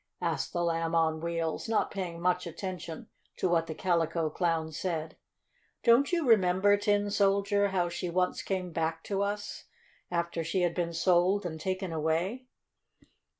asked the Lamb on Wheels, not paying much attention to what the Calico Clown said. "Don't you remember, Tin Soldier, how she once came back to us, after she had been sold and taken away?"